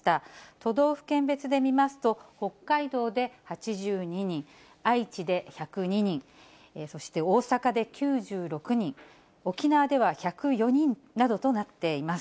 都道府県別で見ますと、北海道で８２人、愛知で１０２人、そして大阪で９６人、沖縄では１０４人などとなっています。